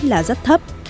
là rất thấp